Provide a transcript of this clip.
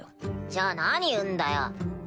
じゃあ何売んだよ？